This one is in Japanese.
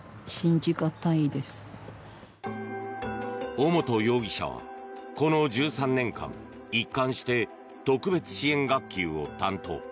尾本容疑者はこの１３年間一貫して特別支援学級を担当。